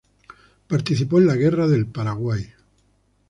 Participó en la Guerra del Paraguay.